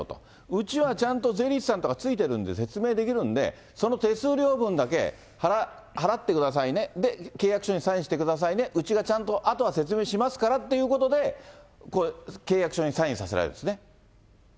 うちはちゃんと税理士さんとかついてるんで、説明できるんで、その手数料分だけ払ってくださいね、で、契約書にサインしてくださいね、うちがちゃんとあとは説明しますからということで、契約書にサイそうですね。